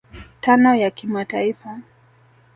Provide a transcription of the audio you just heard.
tano ya kimataifa